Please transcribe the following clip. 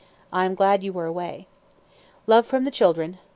I am glad you were away. "Love from the children.